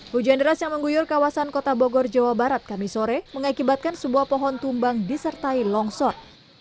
hujan deras yang mengguyur kawasan kota bogor jawa barat kami sore mengakibatkan sebuah pohon tumbang disertai longsor